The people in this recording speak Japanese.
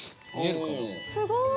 すごい！